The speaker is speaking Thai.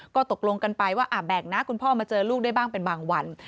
ก็ตกลงกันไปว่าแบ่งนะคุณพ่อมาเจอลูกได้บ้างเป็นบางวัน